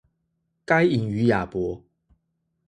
該隱與亞伯